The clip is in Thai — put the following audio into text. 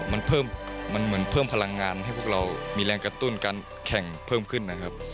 มันเหมือนเพิ่มพลังงานให้พวกเรามีแรงกระตุ้นการแข่งเพิ่มขึ้นนะครับ